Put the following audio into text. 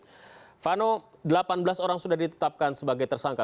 silvano delapan belas orang sudah ditetapkan sebagai tersangka